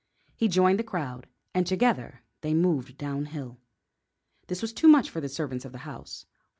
He joined the crowd, and together they moved down hill. This was too much for the servants of the house.